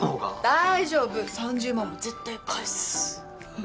大丈夫３０万も絶対返す。